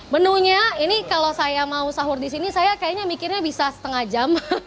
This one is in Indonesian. menunya ini kalau saya mau sahur di sini saya kayaknya mikirnya bisa setengah jam